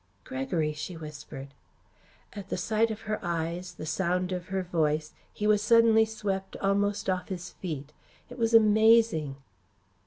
"Gregory!" she whispered. At the sight of her eyes, the sound of her voice, he was suddenly swept almost off his feet. It was amazing.